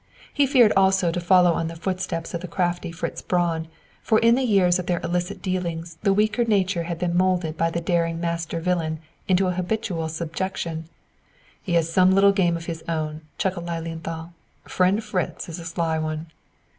He feared also to follow on the footsteps of the crafty Fritz Braun, for in the years of their illicit dealings the weaker nature had been molded by the daring master villain into a habitual subjection. "He has some little game of his own," chuckled Lilienthal. "Friend Fritz is a sly one."